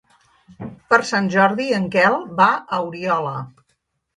Per Sant Jordi en Quel va a Oriola.